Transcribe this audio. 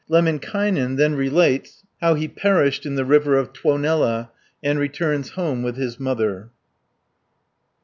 Lemminkainen then relates how he perished in the river of Tuonela, and returns home with his mother (555 650).